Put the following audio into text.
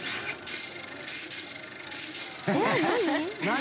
何？